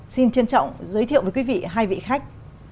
xin trân trọng giới thiệu với quý vị hai vị khách